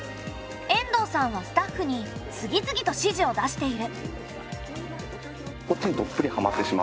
遠藤さんはスタッフに次々と指示を出している。